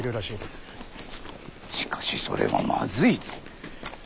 しかしそれはまずいぞ。